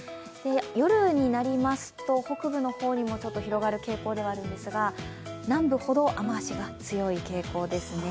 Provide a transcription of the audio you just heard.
夜になりますと、北部にも広がる傾向ではあるんですが、南部ほど雨足が強い傾向ですね。